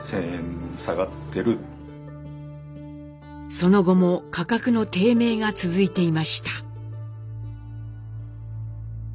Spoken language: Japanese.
その後も価格の低迷が続いていました。